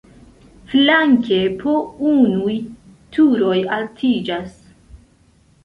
Flanke po unuj turoj altiĝas.